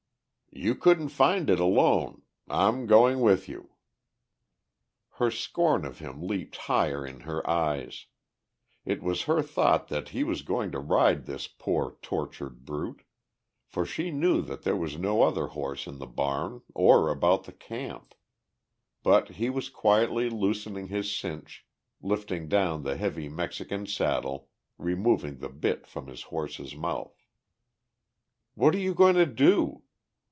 "You couldn't find it alone. I'm going with you." Her scorn of him leaped higher in her eyes. It was her thought that he was going to ride this poor, tortured brute. For she knew that there was no other horse in the barn or about the camp. But he was quietly loosening his cinch, lifting down the heavy Mexican saddle, removing the bit from his horse's mouth. "What are you going to do?"